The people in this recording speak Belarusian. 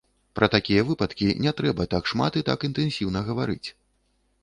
Пра такія выпадкі не трэба так шмат і так інтэнсіўна гаварыць.